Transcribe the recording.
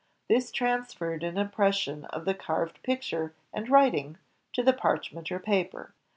This transferred an impression of the carved picture and writing to the parchment or paper.